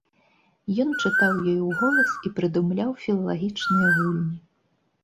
Ён чытаў ёй уголас і прыдумляў філалагічныя гульні.